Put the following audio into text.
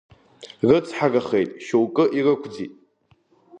Рыцҳарахеит шьоукы ирықәӡит!